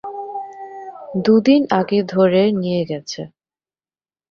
দুদিন আগে ধরে নিয়ে গেছে।